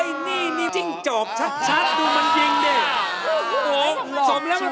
นี่นี่จิ้งจกชัดดูมันยิงดิ